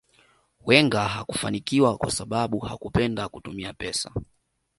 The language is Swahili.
Wenger hakufanikiwa kwa sababu hakupenda kutumia pesa